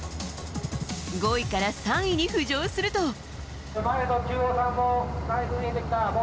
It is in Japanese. ５位から３位に浮上すると。